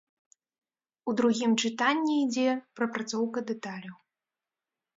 У другім чытанні ідзе прапрацоўка дэталяў.